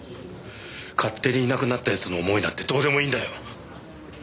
勝手にいなくなった奴の思いなんてどうでもいいんだよ！